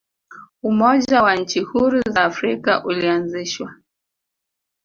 umoja wa nchi huru za afrika ulianzishwa